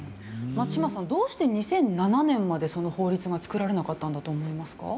松嶋さんどうして２００７年までその法律が作られなかったんだと思いますか？